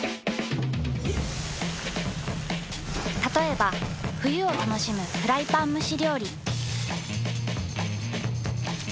たとえば冬を楽しむフライパン蒸し料理。